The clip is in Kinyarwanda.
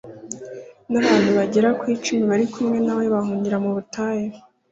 n'abantu bagera ku icumi bari kumwe na we bahungira mu butayu